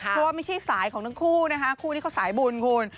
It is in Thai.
เพราะว่าไม่ใช่สายของทั้งคู่นะคะคู่นี้เขาสายบุญคุณ